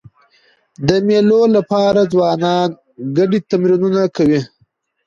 د مېلو له پاره ځوانان ګډو تمرینونه کوي.